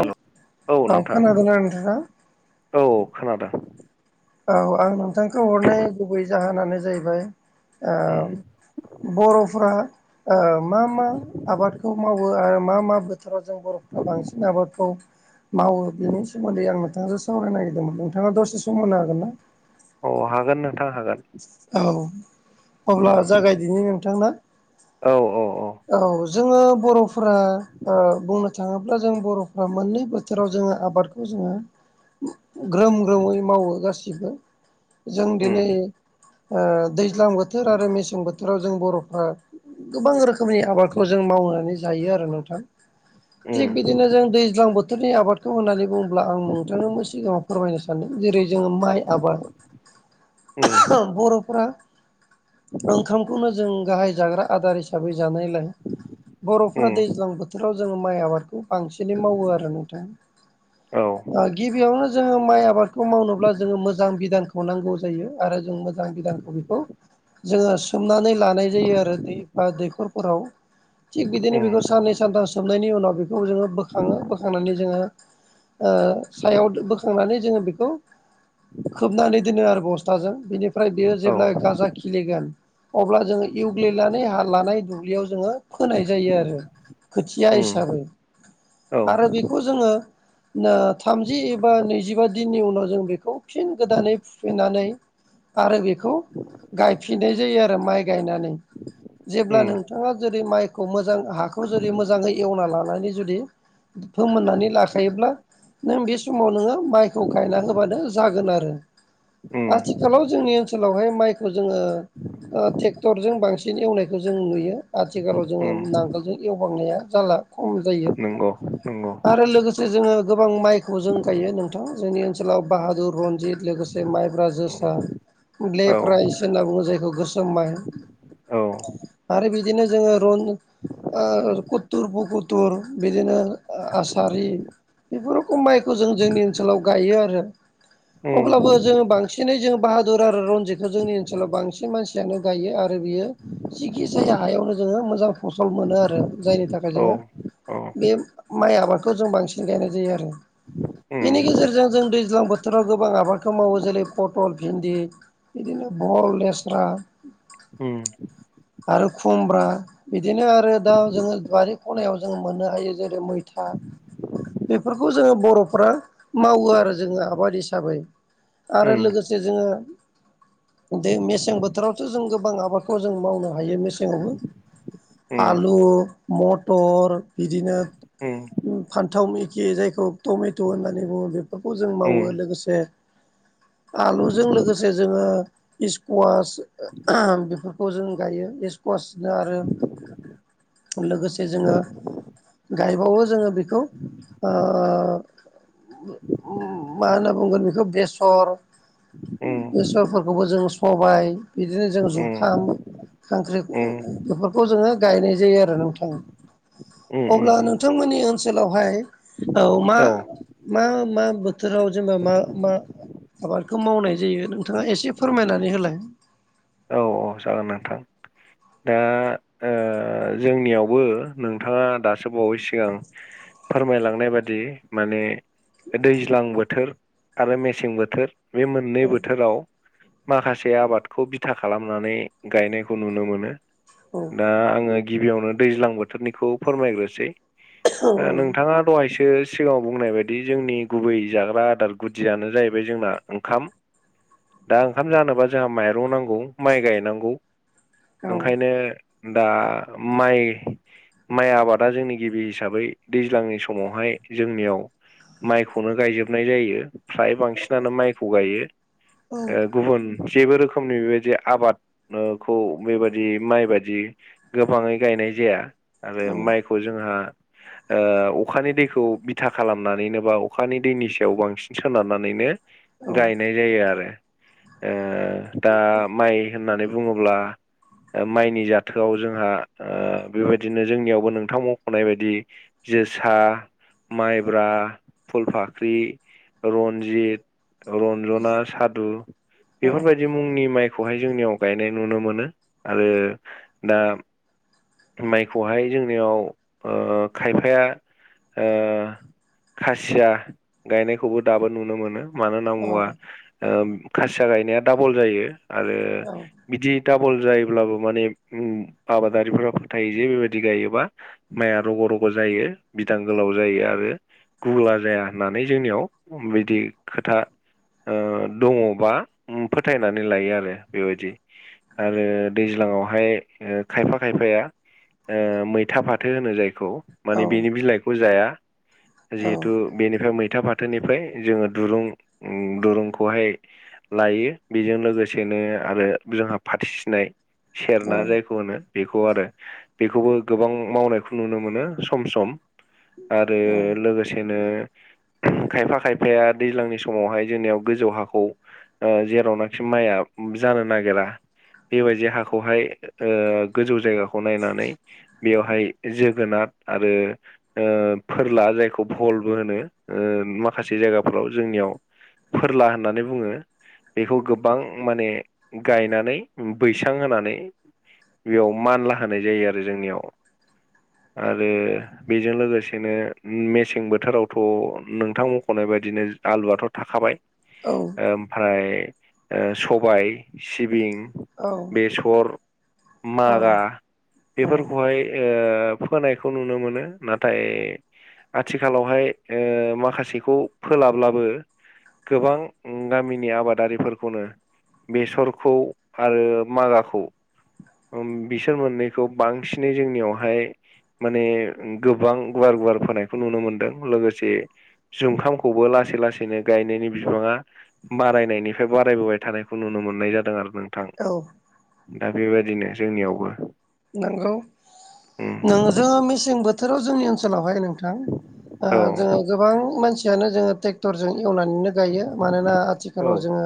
Hello औ नोंथां खोनादोंना नोंथाङा औ खोनादों। औ आं नोंथांखौ हरनाय गुबै जाहोनानो जाहैबाय उम ओ बर'फोरा ओ मा मा आबादखौ मावो आरो मा मा फोथोराव जों बर'फ्रा बांसिन आबादखौ मावो बेनि सोमोन्दै आं नोंथांजो सावरायनो नागिरदोंमोन नोंथाङा दसे सम होनो हागोन ना? औ हागोन नोंथां हागोन। औ अब्ला औ जागायदिनि नोंथां‌ ना? औ औ औ जोङो बर'फोरा ओ बुंनो थाङोब्ला जों बर'फ्रा मोननै बोथोराव जोङो आबादखौ जोङो ग्रोम ग्रोमै मावो गासिबो। जों उम दिनै ओ दैज्लां बोथोर आरो मेसें बोथोराव जों बर'फ्रा गोबां रोखोमनि आबादखौ जों मावनानै जायो आरो नोंथां। उम थिग बिदिनो जों दैज्लां बोथोरनि आबाद बेखौ होननानै बुङोब्ला आं नोंथांनोबो सिगाङाव फोरमायनो सानदों जेरै जोङो माइ आबाद। उम। बर'फोरा ओंखामखौनो जों गाहाय जाग्रा आदार हिसा‌ हिसाबै जानाय लाय बर'फ्रा उम दैज्लां बोथोराव जोङो माइ आबाद बांसिनै मावो आरो नोंथां। औ ओ गिबियावनो जोङो माइ आबादखौ मावनोब्ला जोङो मोजां बिधानखौ नांगौ जायो। आरो जों मोजां बिदानखौ बेखौ जोङो सोमनानै लानाय जायो आरो दै एफा दैखर फोराव थिग बिदिनो उम बेखौ साननै सानथाम सोबनायनि उनाव बे बेखौ जोङो बोखाङो बोखांनानै जोङो ओ सायाव बोखांनानै जोङो बेखौ खोबनानै दोनो आरो बस्थाजों। बेनि फ्राय बेयो औ जेब्ला गाजा खिलिगोन अब्ला जोङो एवग्लिनानै हा लानाय दुब्लियाव जोङो फोनाय जायो आरो खोथिया उम हिसाबै। औ आरो बेखौ जोङो ओ थामजि एबा नैजिबा दिननि उनाव जों बेखौ फिन गोदानै फुफिननानै आरो बेखौ गायफिननाय जायो आरो माइ गायनानै। जेब्ला उम नों थाङा जेरै माइखौ मोजां हाखौ जेरै मोजाङै एवना लानानै जुदि फोमोननानै लाखायोब्ला नों बे समाव नोङो माइखौ गायना होबानो जागोन आरो। आथि उम खालाव जोंनि ओनसोलावहाय माइखौ जोङो ट्रेक्टरजों बांसिन एवनायखौ जों नुयो। आथिखालाव जोङो उम नांगोलजों एवबांनाया जाला खम जायो। नंगौ नंगौ आरो लोगोसे जोङो गोबां माइखौ जों गायो नोंथां जोंनि ओनसोलाव बाहादुर, रनजित लोगोसे माइ ब्रा, जोसा, उम औ ब्लेक राइस होनना बुङो जायखौ गोसोम माय। औ आरो बिदिनो जोङो रन ओ कुथुर पुकुथुर बिदिनो ओ आसारि बेफोर रखम माइखौ जों जोंनि ओनसोलाव गायो आरो। अब्लाबो उम जोङो बांसिनै जों बाहादुर आरो रनजिदखौ जोंनि ओनसोलाव बांसिन मानसि यानो गायो आरो बियो जिखि जाया हायावनो जोङो मोजां फसल मोनो आरो जायनि थाखाय औ जोङो औ बे माइ आबादखौ जों बांसिन गायनाय जायो आरो। बेनि उम उम गेजेरजों जों दै ज्लां बोथोराव गोबां आबादखौ मावो जेरै पटल, भिन्दि बिदिनो बहल, लेस्रा उम। आरो खुमब्रा बिदिनो आरो दा जोङो बारि खनायाव जों मोननो हायो जेरै मैथा बेफोरखौ जोङो बर'फ्रा मावो आरो जोङो आबाद हिसाबै। उम आरो लोगोसे जोङो दे मेसें बोथोरावथो जों गोबां आबादखौ जों मावनो हायो मेसे जङावबो उम आलु मटर बिदिनो उम। फान्थाव मखि जायखौ टमेट' होननानै बुङो बेफोरखौ जों उम मावो लोगोसे आलुजों लोगोसे जोङो इसकुवास बेफोर खौ जों गायो इस्कुवाासनो आरो लोगोसे जोङो गायबावो जोङो खौ ओ मा होनना बुंगोन बेखौ बेस सर बेसरफोरखौबो जों सबाय बिदिनो जों जुखाम खांख्रि उम बेफोरखौ जोङो गायनाय जायो आरो नोंथां। उम अब्ला नोंथांमोननि ओनसोलावहाय औ मा मा मा बोथोराव जोङो मा मा आबादखौ मावनाय जायो नोंथाङा एसे फोरमायनानै होलाय। औ औ जागोन नोंथां। दा जोंनियावबो नोंथाङा दासो बावै सिगां फोरमायलांनाय बादि माने दैज्लां बोथोर आरो मेसें बोथोर बे मोननै औ बोथोराव माखासे आबादखौ बि था खालामनानै गायनायखौ नुनो मोनो। औ दा आङो गिबियावनो दैज्लां बोथोरनिखौ फोरमायग्रोसै। औ नोंथाङा दहायसो सिगाङाव बुंनाय बायदि जोंनि गुबै जाग्रा आदार गुदियानो जाहैबाय जोंना ओंखाम। दा ओंखाम जानोबा जोंहा माइरं नांगौ माइ गायनांगौ औ ओंखायनो दा माइ माइ आबादा जोंनि गिबि हिसाबै दैज्लांनि समावहाय जोंनियाव माइखौनो गायजोबनाय जायो। फ्राय बांसिनानो माइखौ गायो औ गुबुन जेबो रोखोमनि बेबाय जे आबाद नोखौ बेबादि माइ बाददि गोबाङै गायनाय जाया। आरो औ माइखौ जोंहा ओ अखानि दैखौ बिथा खालामनानैनो बा अखानि दैनि सायाव बांसिन सोनारनानैनो औ गायनाय जायो आरो। ओ दा माइ होननानै बुङोब्ला माइनि जाथोआव जोंहा ओ बेबायदिनो जोंनियावबो नोंथां मख'नाय बायदि जोसा, माइब्रा फुलफाख्रि, रन्जित रन्जना, सादु बेफोरबायदि मुंनि माइ खौहाय जोंनियाव गायनाय नुनो मोनो आरो दा माइखौहाय जोंनियाव खायफाया ओ खासिया गायनायखौबो दाबो नुनो मोनो। मानो होनना बुंबा खासिया गायनाया डाबल जायो आरो औ औ बिदि डाबल जायोब्लाबो माने आबादारिफोरा फोथायो जे बेबायदि गायोबा माइआ रग' रग' जायो बिदां गोलाव जायो आरो गुुला जाया होननानै जोंनियाव बिदि खोथा ओ दङबा फोथायनानै लायो आरो बेबायदि। आरो दैज्लाङावहाय खायफा खायफाया ओ मैथा फाथो होनो जायखौ माने बेनि बिलाइखौ जाया। जिहेथु बेनिफ्राय मैथा फाथोनिफ्राय जोङो दुरुं दुरुंखौहाय लायो बेजों लोगोसेनो आरो जोंहा फथिसिनाय सेरना जायखौ होनो। बेखौ आरो बेखौबो गोबां मावनायखौ नुनो मोनो सम सम। आरो औ लोगोसेनो खायफा खायफाया दैज्लांनि समावहाय जोंनियाव गोजौ हाखौ। जेरावनाखि माइआ जानो नागिरा बेबायदि हाखौहाय गोजौ जायगाखौ खौ नायनानै बेवहाय जोगोनार आरो फोरला जायखौ भलबो होनो माखासे जायगाफोराव जोंनियाव। फोरला होननानै बुङो बेखौ गोबां माने गायनानै बैसां होनानै बेयाव मानला होनाय जायो आरो जोंनियाव आरो बेजों लोगोसेनो मेसें बोथोरावथ' नोंथां मख'नाय बायदिनो। आलुआथ' थाखाबाय। औ ओमफ्राय सबाय सिबिं औ बेसर औ मागा औ बेफोरखौहाय फोनायखौ नुनो मोनो नाथाय आथिखालावहाय माखासेखौ फोलाब्लाबो गोबां गामिनि आबादारि [unintelligible] बेसरखौ आरो मागाखौ बिसोर मोननैखौ बांसिनै जोंनियावहाय। माने गोबां गुवार गुवार फोनायखौ नुनो मोनदों लोगोसे जुमखामखौबो लासै लासैनो गायनायनि बिबाङा बारायनायनि बेफ्राय बारायबोबाय थानायखौ नुनो मोननाय जादों आरो नोंथां। औ दा बेबायदिनो जोंनियावबो नंगौ उम नों जोङो मेसें बोथोराव जोंनि ओनसोलावहाय नों थां औ जोङो गोबां मानसियानो जोङो ट्रेक्टरजों एवनानैनो गायो मानोना औ आथिखालाव जोङो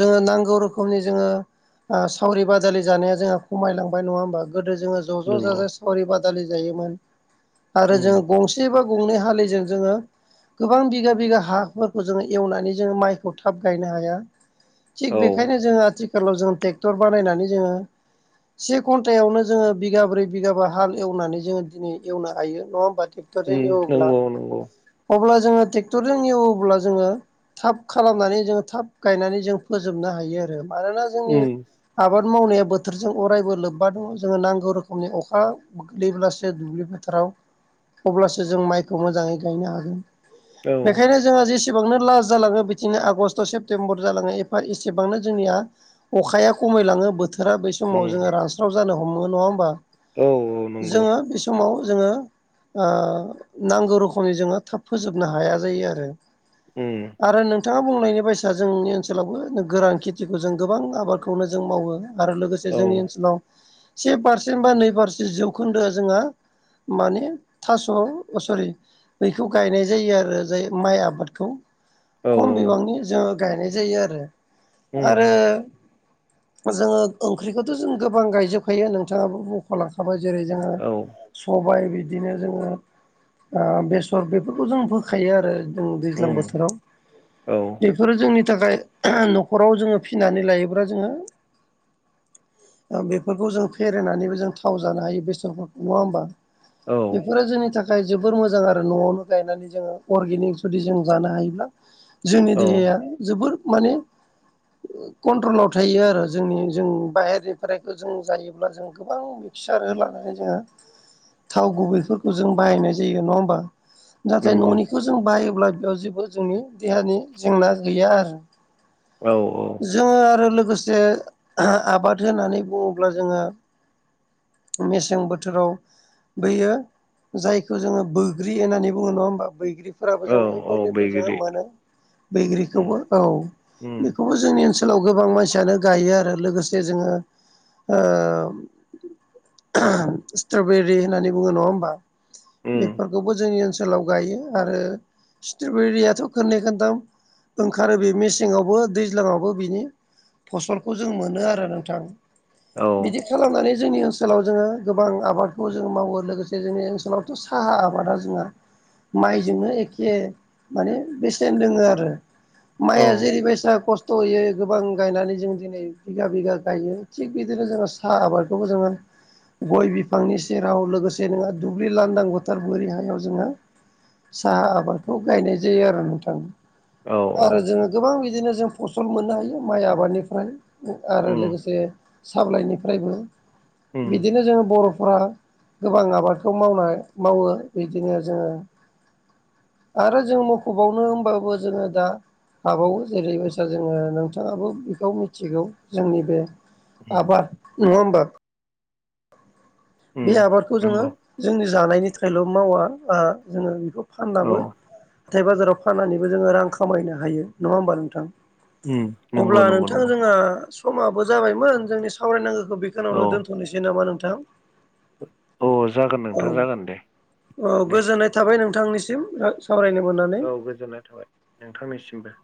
जोङो नांगौ रोखोमनि जोङो सावरि बादालि जानाया जोहा खमायलांबाय नङा होमबा गोदो जोङो ज' ज' नंगौ जाजाय सावरि बादालि जायोमोन आरो उम जोङो गंसे बा गंनै हालिजों जोङो गोबां बिगा बिगा हाफोरखौ जोङो एवनानै जोङो माइखौ थाब गायनो हाया थिग औ बेखायनो जोङो आथिखालाव जोंङ ट्रेक्टर बानायनानै जोङो से घन्टायावनो जोङो बिगाब्रै बिगाबा हाल एवनानै जोङो दिनै एवनो हायो नङा होमबा ट्रेक्टर उम एवोब्ला नंगौ नंगौ अब्ला जोङो ट्रेक्टरजों एवोब्ला जोङो थाब खालामनानै जों थाब गायनानै जों फोजोबनो हायो आरो। मानोना जोंनि उम आबाद मावनाया बोथोरजों अरायबो लोब्बा दङ जोङो नांगौ रोखोमनि अखा गोग्लैब्लासो दुब्लि फोथाराव अब्लासो जों माइखौ मोजाङै गायनो हागोन औ बेखायनो जों जोंहा जेसेबांनो लास्ट जालाङो बिथिंनो आगषस्ट सेप्तेम्बर जालाङो एफा एसेबांनो जोंनिया अखाया खमायलाङो बोथोरा बै समाव उम जोङो रानस्राव जानो हमो नङा होमबा। औ नंगौ जोङो बे समाव जोङो नांगौ रोखोमनि जोङो थाब फोजोबनो हाया जायो आरो। उम आरो नोंथाङा बुंनायनि बायसा जोंनि ओनसोलावबो गोरान खेथिखौ जों गोबां आबादखौनो जों मावो आरो लोगोसे औ जोंनि ओनसोलाव से पारसेन्ट बा नै पारसेन्ट जौखोन्दोआ जोंहा माने थास'अ सरि बैखौ गायनाय जायो आरो जाय माइ आबादखौ औ खम बिबांनि जोंङो गायनाय जायो आरो उम आरो जोंङो ओंख्रिखौथ' जों गोबां गायजोबखायो नोंथाङाबो लांखाबो जेरै जोंङो औ सबाय बिदिनो जोंङो बेसर बेफोरखौ जों फोखायो आरो जों दैज्लां उम बोथोराव औ बेफोरो जोंनि थाखाय न'खराव जोंङो फिनानै लायोब्ला जोंङो बेफोरखौ जों फेरेनानैबो जों थाव जानो हायो बेसरफोरखौ नङा होमबा? औ बेफोर जोंनि था जाय जोबोर मोजां आरो न'आवनो गायनानै जोंङो अर्गेनिक जुदि जों जानो हायोब्ला जोंनि औ देहाया जोबोर माने कन्ट्रलाव थायो आरो जोंनि जों बाहेरनिफ्रायखौ जों जायोब्ला जों गोबां बिक्सार लानानै जोंङो थाव गुबैफोरखौ जों बाहायनाय जायो नङा होमबा। नाथाय नंगौ न'निखौ जों बायोब्ला बेयाव जेबो जोंनि देहानि जेंना गैया आरो। औ औ जोंङो आरो लोगोसे आबाद होननानै बुङोब्ला जोंङो मेसें बोथोराव बैयो जायखौ जोंङो बैग्रि होननानै बुङो नङा होमबा बैग्रि फोराबो औ जोंङो औ एभेलेबल जों बैग्रि मोनो। उम बैग्रिखौबो औ उम बेखौबो जोंनि ओनसोलाव गोबां मानसियानो गायो आरो। लोगोसे जोंङो स्ट्रबेरि होननानै बुङो नङा होमबा बे उम बेखौबो जोंनि ओनसोलाव गायो आरो स्ट्रबेरियाथ' खननै खोनथाम ओंखारो बे मेसेङावबो दैज्लाङावबो बिनि फसलखौ जों मोनो आरो नोंथां औ बि नानै जोंनि ओनसोलाव जोंङो गोबां आबादखौ जों मावो लोगोसे जोंनि ओनसोलाव थ' साहा आबादा जोंना माइजोंनो एखे माने बेसेन दोङो आरो औ माइया जेरैबायसा खस्थ' होयो गोबां गायनानै जों दिनै बिगा बिगा गायो थिग बिदिनो जोंङो साहा आबादखौबो जोंङो गय बिफांनि सेराव लोगोसे नोंङो दुब्लि लांदां फोथार बोरि हायाव जोंङो साहा आबादखौ गायनाय जायो आरो नोंथां। औ आरो औ जोंङो गोबां बिदिनो जों फसल मोननो हायो माइ आबादनिफ्राय। आरो उम लोगोसे साबलाइनिफ्रायबो उम बिदिनो जोंङो बर'फोरा गोबां आबादखौ मावनाय मावो बिदिनो जोंङो आरो जों मुख बावनो होनबाबो जोंङो दा हाबावो जेरै बायसा जोंङो नोंथाङाबो बेखौ थिगौ जोंनि बे आबाद नङा होनबा? बे उम आबादखौ जोंङो नंगौ जोंनि जानायनि थाखायल' मावा जोंङो बेखौ। औ फाननाबो हाथाय बाजाराव फाननानैबो जोङो रां खामायनो हायो नङा होमबा नोंथां। उम नंगौ अब्ला नंगौ नोंथां नंगौ जोंहा समाबो जाबायमोन जोंनि सावरायनांगौखौ औ बेखौनावनो दोन्थ'नोसै नामा नोंथां। अ जागोन औ नोंथां जागोन दे। औ दे गोजोननाय थाबाय नोंथांनिसिम ओ सावरायनो मोननानै। औ गोजोननाय थाबाय नोंथांनिसिमबो।